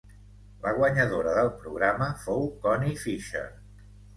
La guanyadora del programa fou Connie Fisher.